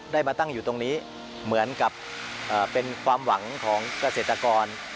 มาตั้งอยู่ตรงนี้เหมือนกับเป็นความหวังของเกษตรกร